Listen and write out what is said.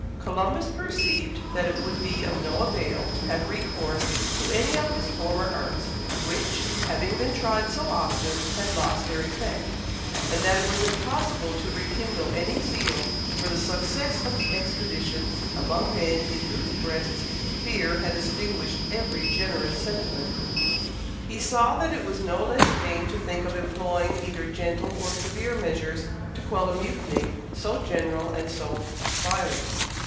Columbus perceived that it would be of no avail to have recourse to any of his former arts, which, having been tried so often, had lost their effect; and that it was impossible to rekindle any zeal for the success of the expedition among men in whose breasts fear had extinguished every generous sentiment. He saw that it was no less vain to think of employing either gentle or severe measures to quell a mutiny so general and so violent.